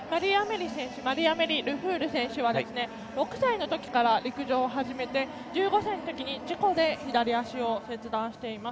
マリーアメリ・ルフュール選手は６歳のときから陸上を始めて１５歳のときに事故で左足を切断しています。